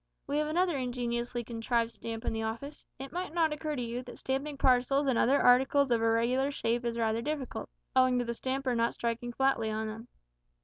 We have another ingeniously contrived stamp in the office. It might not occur to you that stamping parcels and other articles of irregular shape is rather difficult, owing to the stamper not striking flatly on them.